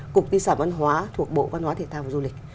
cục di sản văn hóa thuộc bộ văn hóa thể thao và du lịch